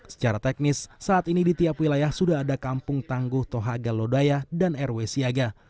secara teknis saat ini di tiap wilayah sudah ada kampung tangguh tohaga lodaya dan rw siaga